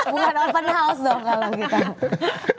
bukan open house dong kalau kita